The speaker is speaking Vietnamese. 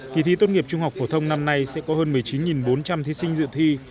kỳ thi tốt nghiệp trung học phổ thông năm nay sẽ có hơn một mươi chín bốn trăm linh thí sinh dự thi